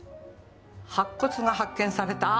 白骨が発見された？